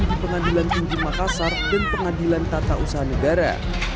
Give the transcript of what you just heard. di pengadilan tinggi makassar dan pengadilan tata usaha negara